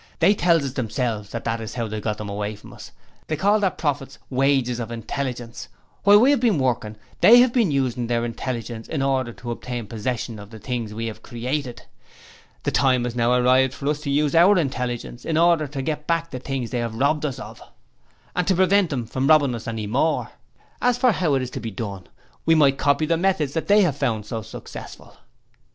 'They tell us themselves that that is how they got them away from us; they call their profits the "wages of intelligence". Whilst we have been working, they have been using their intelligence in order to obtain possession of the things we have created. The time has now arrived for us to use our intelligence in order to get back the things they have robbed us of, aid to prevent them from robbing us any more. As for how it is to be done, we might copy the methods that they have found so successful.'